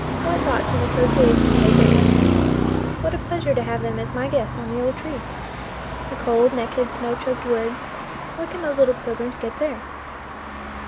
What thoughts and associa tions they bring with them! What a pleasure to have them as my guests on the old tree! The cold, naked, snow choked woods what can those little pilgrims get there?